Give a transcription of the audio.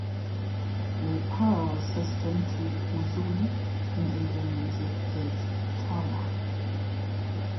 The parallel system to usul in Indian music is "tala".